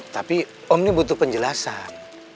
tapi om ini butuh penjelasan